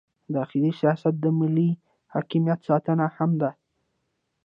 داخلي سیاست د ملي حاکمیت ساتنه هم ده.